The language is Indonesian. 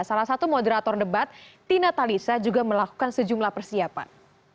salah satu moderator debat tina talisa juga melakukan sejumlah persiapan